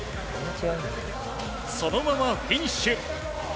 そのままフィニッシュ。